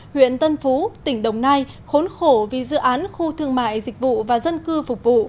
huyện tân phú tỉnh đồng nai khốn khổ vì dự án khu thương mại dịch vụ và dân cư phục vụ